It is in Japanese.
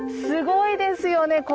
すごいですよね。